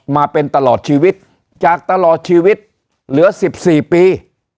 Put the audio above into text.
มาเป็นตลอดชีวิตจากตลอดชีวิตเหลือ๑๔ปี